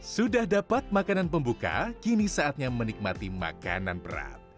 sudah dapat makanan pembuka kini saatnya menikmati makanan berat